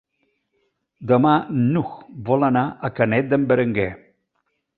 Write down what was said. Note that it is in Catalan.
Demà n'Hug vol anar a Canet d'en Berenguer.